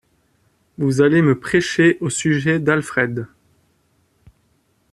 Vous allez me prêcher au sujet d’Alfred...